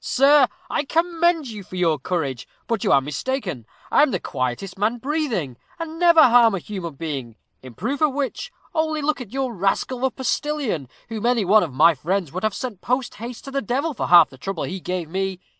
Sir, I commend you for your courage, but you are mistaken. I am the quietest man breathing, and never harm a human being; in proof of which, only look at your rascal of a postilion, whom any one of my friends would have sent post haste to the devil for half the trouble he gave me.